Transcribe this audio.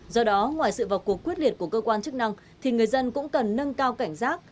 do đó ngoài sự vào cuộc quyết liệt của cơ quan chức năng thì người dân cũng cần nâng cao cảnh giác